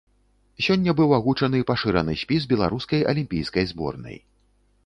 Сёння быў агучаны пашыраны спіс беларускай алімпійскай зборнай.